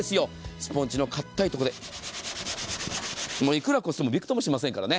スポンジの硬いところでいくらこすってもびくともしませんからね。